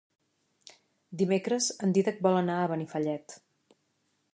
Dimecres en Dídac vol anar a Benifallet.